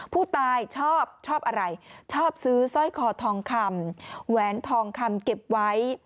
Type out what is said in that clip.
ผู้ตายชอบชอบอะไรชอบซื้อสร้อยคอทองคำแหวนทองคำเก็บไว้